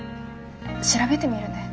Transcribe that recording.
調べてみるね。